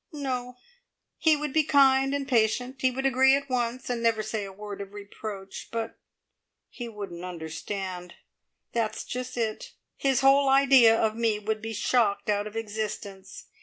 "No. He would be kind and patient. He would agree at once, and never say a word of reproach, but he wouldn't understand. That's just it. His whole idea of me would be shocked out of existence.